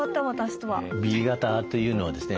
Ｂ型というのはですね